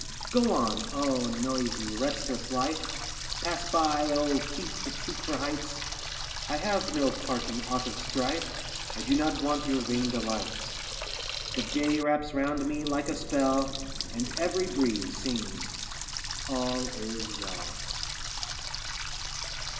Go on, oh, noisy, restless life! Pass by, oh, feet that seek for heights! I have no part in aught of strife; I do not want your vain delights. The day wraps round me like a spell, And every breeze sings, "All is well."